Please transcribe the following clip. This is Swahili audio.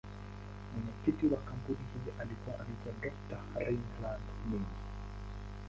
Mwenyekiti wa kampuni hii alikuwa anaitwa Dr.Reginald Mengi.